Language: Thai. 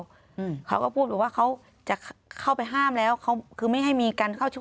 อืมเขาก็พูดบอกว่าเขาจะเข้าไปห้ามแล้วเขาคือไม่ให้มีการเข้าช่วย